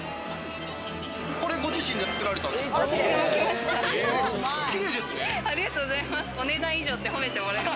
これご自身で作られたんですか？